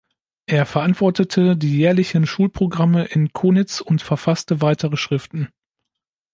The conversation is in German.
Er verantwortete die jährlichen Schulprogramme in Konitz und verfasste weitere Schriften